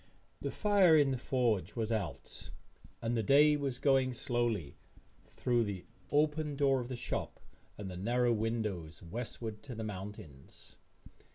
The fire in the forge was out and the day was going slowly, through the open door of the shop and the narrow windows, westward to the mountains.